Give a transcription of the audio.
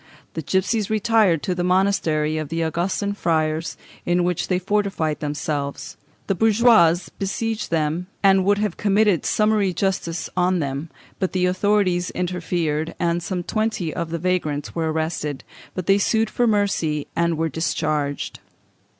The gipsies retired to the monastery of the Augustin friars, in which they fortified themselves: the bourgeois besieged them, and would have committed summary justice on them, but the authorities interfered, and some twenty of the vagrants were arrested, but they sued for mercy, and were discharged.